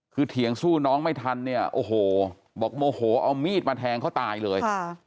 คือเถียงสู้น้องไม่ทันเนี่ยโอ้โหบอกโมโหเอามีดมาแทงเขาตายเลย